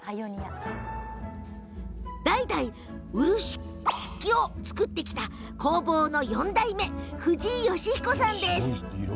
代々、漆器を作ってきた工房の４代目藤井嘉彦さんです。